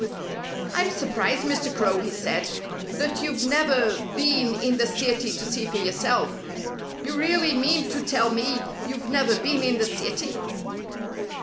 "I'm surprised, Mr. Crow," he said, "that you've never been in the city to see for yourself. You really mean to tell me you've never been in the city?"